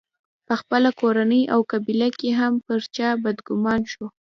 په خپله کورنۍ او قبیله کې هم پر چا بدګومان شو.